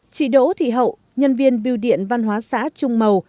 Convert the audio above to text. chị đỗ thị hậu nhân viên biêu điện văn hóa xã trung mầu